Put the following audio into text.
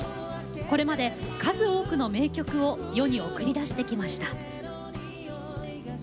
これまで数多くの名曲を世に送り出してきました。